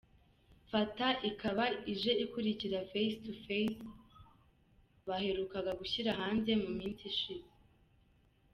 Mfata’ ikaba ije ikurikira face to face baherukaga gushyira hanze mu minsi ishize.